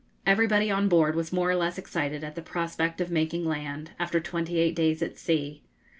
Everybody on board was more or less excited at the prospect of making land, after twenty eight days at sea.